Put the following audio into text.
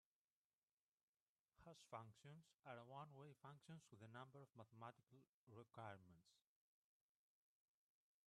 Hash functions are one-way functions with a number of mathematical requirements.